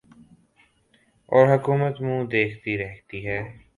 اور حکومت منہ دیکھتی رہتی ہے